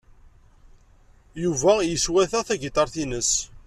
Yuba yeswata tagiṭart-nnes.